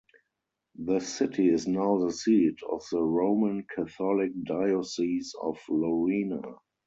The city is now the seat of the Roman Catholic Diocese of Lorena.